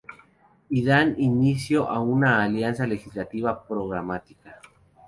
Y dan inicio a una alianza legislativa programática.